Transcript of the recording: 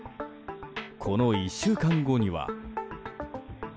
この１週間後には。